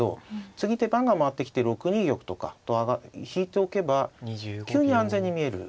次手番が回ってきて６二玉とか引いておけば急に安全に見えるわけですね。